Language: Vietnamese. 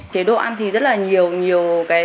chế độ ăn thì rất là nhiều nhiều cái